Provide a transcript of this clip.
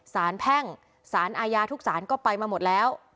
ศาลแพ่งศาลอายาทุกศาลก็ไปมาหมดแล้ว